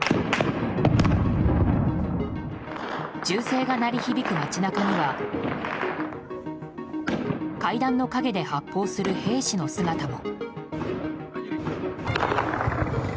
銃声が鳴り響く街中には階段の陰で発砲する兵士の姿も。